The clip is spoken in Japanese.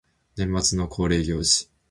年末の恒例行事